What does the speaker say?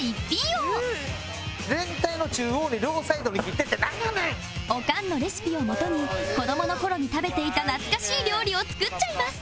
オカンのレシピを基に子どもの頃に食べていた懐かしい料理を作っちゃいます